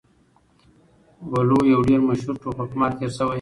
وَلُو يو ډير مشهور ټوکپار تير شوی